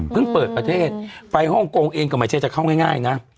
เปิดประเทศไปฮ่องกงเองก็ไม่ใช่จะเข้าง่ายนะ